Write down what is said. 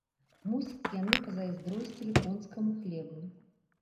Мусіць, яны пазайздросцілі конскаму хлебу.